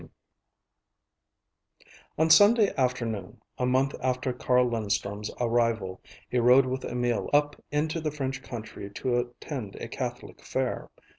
IX On Sunday afternoon, a month after Carl Linstrum's arrival, he rode with Emil up into the French country to attend a Catholic fair.